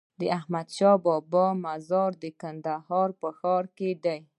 د احمدشاهبابا مزار د کندهار په ښار کی دی